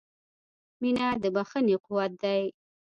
• مینه د بښنې قوت دی.